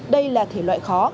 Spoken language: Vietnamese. đây là thể loại khó